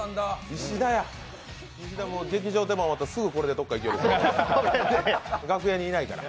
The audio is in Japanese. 石田、劇場出番終わったらすぐ、これでどっか行くから。